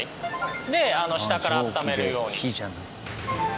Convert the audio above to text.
で下から温めるように。